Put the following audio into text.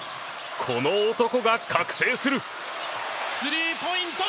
この男が覚醒する！